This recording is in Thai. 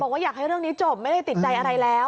ว่าอยากให้เรื่องนี้จบไม่ได้ติดใจอะไรแล้ว